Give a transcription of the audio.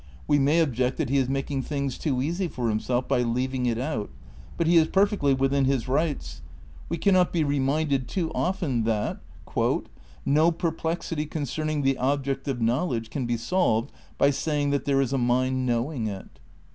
We may object that he is making things too easy for himself by leaving it out ; but he is perfectly within his rights. We cannot be reminded too often that "No perplexity concerning the object of knowledge can be solved by saying that there is a mind knowing it."